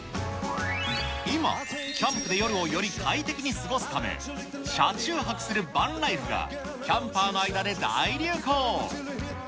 今、キャンプで夜をより快適に過ごすため、車中泊するバンライフがキャンパーの間で大流行。